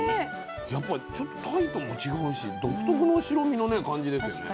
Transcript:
やっぱりちょっとタイとも違うし独特の白身の感じですよね。